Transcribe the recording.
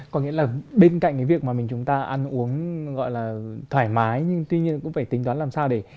có nghĩa là bên cạnh cái việc mà mình chúng ta ăn uống gọi là thoải mái nhưng tuy nhiên cũng phải tính toán làm sao để